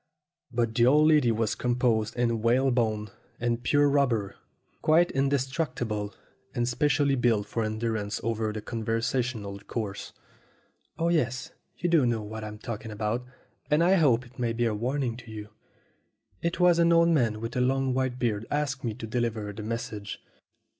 But the old lady was composed of whalebone and A MODEL MAN 33 pure rubber, quite indestructible, and specially built for endurance over the conversational course. "Oh, yes, you do know what I'm talking about, and I hope it may be a warning to you. It was an old man with a long white beard asked me to deliver the mes sage.